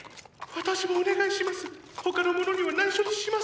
私もお願いします！